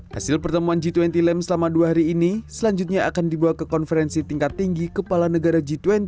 hasil pertemuan g dua puluh lem selama dua hari ini selanjutnya akan dibawa ke konferensi tingkat tinggi kepala negara g dua puluh